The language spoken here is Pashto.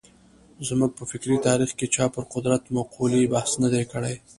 زموږ په فکري تاریخ کې چا پر قدرت مقولې بحث نه دی کړی.